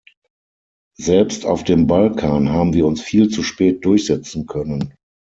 Selbst auf dem Balkan haben wir uns viel zu spät durchsetzen können.